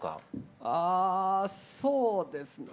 あそうですね